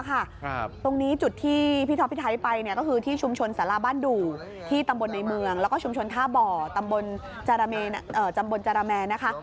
ตรงนี้จุดที่พี่ท็อปพี่ไทยไปก็คือที่ชุมชนสาราบ้านดู่ที่ตำบลในเมืองแล้วก็ชุมชนท่าบ่อตำบลตำบลจาระแมนนะคะ